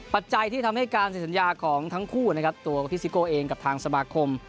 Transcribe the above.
ปัจจัยที่ทำให้การเสร็จสัญญาของทั้งคู่นะครับตัวพี่ซิโก้เองกับทางสมาคม